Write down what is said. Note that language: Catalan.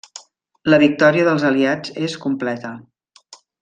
La victòria dels aliats és completa.